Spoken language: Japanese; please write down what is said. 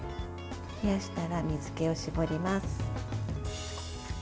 冷やしたら水けを絞ります。